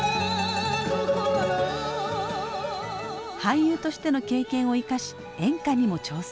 俳優としての経験を生かし演歌にも挑戦。